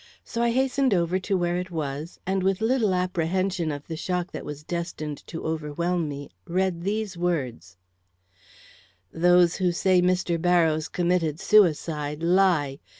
So I hastened over to where it was, and with little apprehension of the shock that was destined to overwhelm me, read these words: "Those who say Mr. Barrows committed suicide lie.